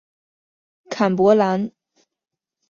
坎伯兰县是美国田纳西州东部的一个县。